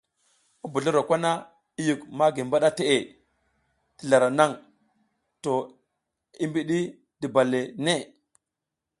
Mobozloro kwana i yuk magi mbaɗa teʼe ti zlara naŋ to i mbiɗi duba le ne.